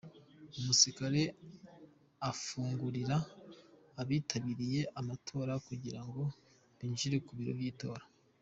Umusirikare afungurira abitabiriye amatora kugira ngo binjire ku biro by’itora